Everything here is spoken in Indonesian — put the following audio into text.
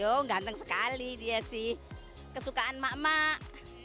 oh ganteng sekali dia sih kesukaan mak mak